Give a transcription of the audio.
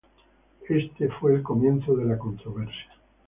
Este fue el comienzo de la controversia.